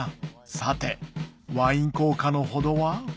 さてワイン効果のほどは？